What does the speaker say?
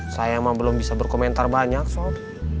saya emang belum bisa berkomentar banyak soal